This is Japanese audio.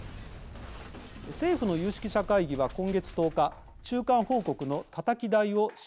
政府の有識者会議は今月１０日中間報告のたたき台を示しました。